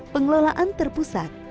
tiga pengelolaan terpusat